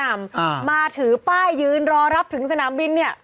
อ่ามาถือป้ายยืนรอรับถึงสนามบินเนี่ย